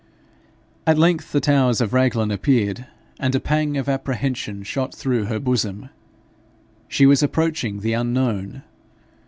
At length the towers of Raglan appeared, and a pang of apprehension shot through her bosom. She was approaching the unknown.